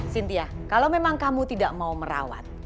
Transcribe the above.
sinti ya kalau memang kamu tidak mau merawat